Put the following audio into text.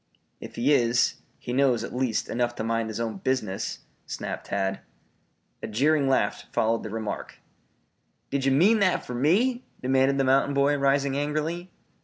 "If he is, he knows, at least, enough to mind his own business," snapped Tad. A jeering laugh followed the remark. "Did ye mean that fer me?" demanded the mountain boy, rising angrily.